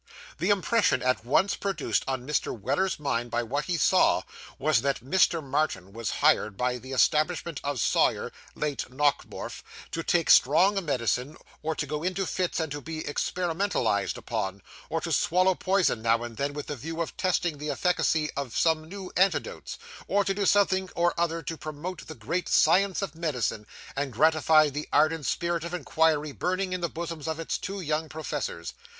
The impression at once produced on Mr. Weller's mind by what he saw, was, that Mr. Martin was hired by the establishment of Sawyer, late Nockemorf, to take strong medicine, or to go into fits and be experimentalised upon, or to swallow poison now and then with the view of testing the efficacy of some new antidotes, or to do something or other to promote the great science of medicine, and gratify the ardent spirit of inquiry burning in the bosoms of its two young professors.